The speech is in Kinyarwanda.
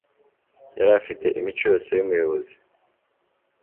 Yari afite imico yose yumuyobozi.